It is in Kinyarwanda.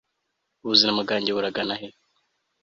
ubuzima bwanjye buragana he